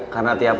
karena tiap hari